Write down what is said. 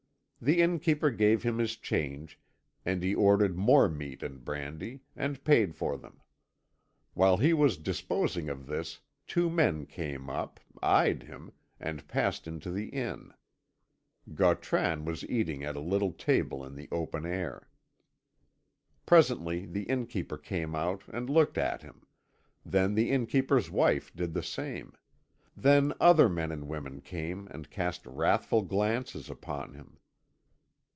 The innkeeper gave him his change, and he ordered more meat and brandy, and paid for them. While he was disposing of this, two men came up, eyed him, and passed into the inn; Gautran was eating at a little table in the open air. Presently the innkeeper came out and looked at him; then the innkeeper's wife did the same; then other men and women came and cast wrathful glances upon him.